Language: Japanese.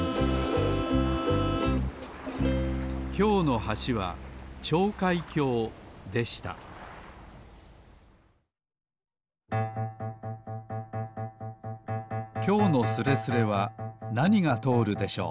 きょうの橋は跳開橋でしたきょうのスレスレはなにがとおるでしょう